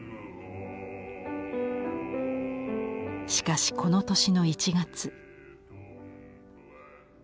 しかしこの年の１月。